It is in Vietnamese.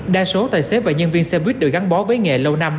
đa số tài xế và nhân viên xe buýt đều gắn bó với nghề lâu năm